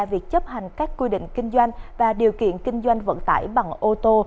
việc chấp hành các quy định kinh doanh và điều kiện kinh doanh vận tải bằng ô tô